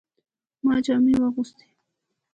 ما جامې واغستې